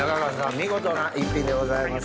見事な１品でございます。